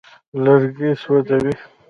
لرګي سوځوي.